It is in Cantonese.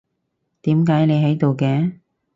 點解你喺度嘅？